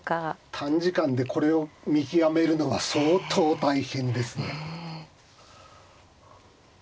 短時間でこれを見極めるのは相当大変ですね。